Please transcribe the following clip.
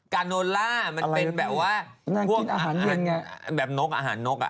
กาโนล่ะมันเป็นแบบแบบนกอาหารนก